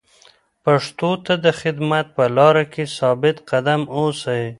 پښتو ته د خدمت په لاره کې ثابت قدم اوسئ.